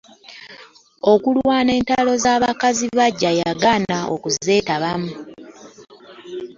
Okulwana entalo z'abakazi bagya yagaana okuzetabamu.